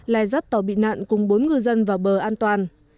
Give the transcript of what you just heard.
lại dắt tàu bị nạn cùng bốn ngư dân